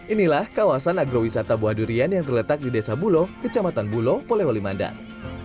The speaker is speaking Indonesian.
inilah kawasan agrowisata buah durian yang terletak di desa bulo kecamatan bulo polewali mandar